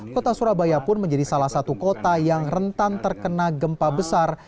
kota surabaya pun menjadi salah satu kota yang rentan terkena gempa besar